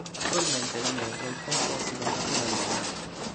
Attualmente la metro è composta da una sola linea.